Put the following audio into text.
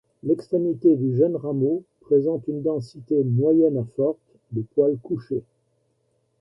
L'extrémité du jeune rameau présente une densité moyenne à forte de poils couchés.